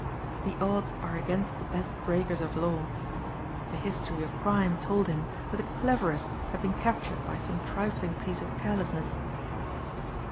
The odds are against the best breakers of law. The history of crime told him that the cleverest had been captured by some trifling piece of carelessness.